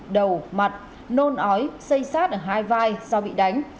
đầu mặt nôn ói xây sát ở hai vai do bị đánh